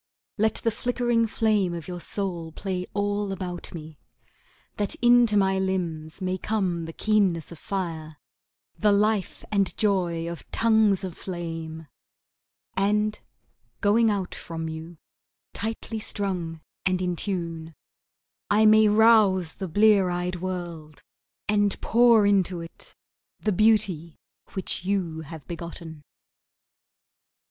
Let the flickering flame of your soul play all about me, That into my limbs may come the keenness of fire, The life and joy of tongues of flame, And, going out from you, tightly strung and in tune, I may rouse the blear eyed world, And pour into it the beauty which you have begotten.